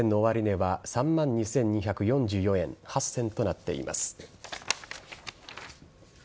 午前の終値は３万２２４４円０８銭となっています。